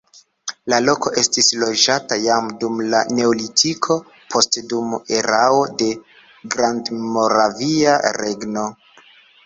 La loko estis loĝata jam dum la neolitiko, poste dum erao de Grandmoravia Regno.